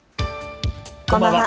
こんばんは。